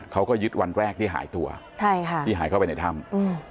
เขาก็ยึดวันแรกที่หายตัวใช่ค่ะที่หายเข้าไปในถ้ำ